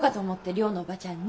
寮のおばちゃんに。